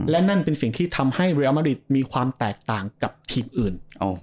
และนั่นเป็นสิ่งที่ทำให้เรียลมาริตมีความแตกต่างกับทีมอื่น